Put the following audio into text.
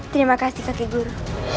terima kasih saki guru